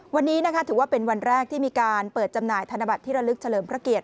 วันนี้นะคะถือว่าเป็นวันแรกที่มีการเปิดจำหน่ายธนบัตรที่ระลึกเฉลิมพระเกียรติ